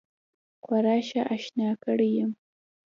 خورا ښه آشنا کړی یم.